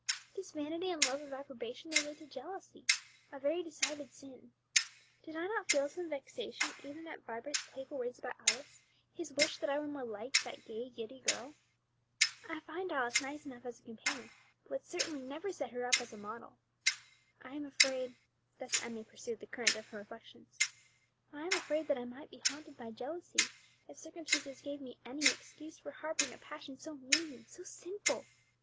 This vanity and love of approbation may lead to jealousy, a very decided sin. Did I not feel some slight vexation even at Vibert's playful words about Alice, his wish that I were more like that gay, giddy girl? I find Alice nice enough as a companion, but would certainly never set her up as a model. I am afraid," thus Emmie pursued the current of her reflections, "I am afraid that I might be haunted by jealousy, if circumstances gave me any excuse for harbouring a passion so mean, so sinful.